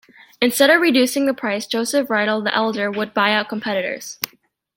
Instead of reducing the price, Josef Riedel the elder, would buy out competitors.